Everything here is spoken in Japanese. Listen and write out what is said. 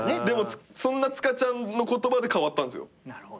でもそんな塚ちゃんの言葉で変わったんですよ。